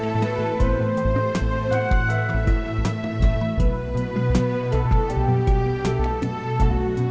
pertama kali berada di dalam simbise kami dia se bringing with a friend